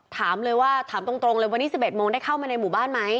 ถามเลยว่าถามตรงเลยวันนี้๑๑โมงได้เข้ามาในหมู่บ้านไหม